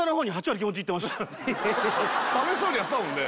楽しそうにやってたもんね